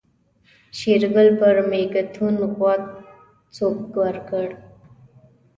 شېرګل پر مېږتون غوږ سوک ورکړ.